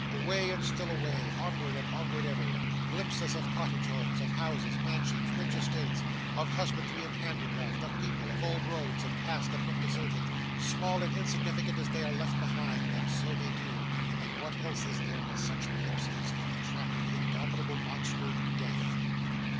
Away, and still away, onward and onward ever: glimpses of cottage homes, of houses, mansions, rich estates, of husbandry and handicraft, of people, of old roads and paths that look deserted, small, and insignificant as they are left behind: and so they do, and what else is there but such glimpses, in the track of the indomitable monster, Death!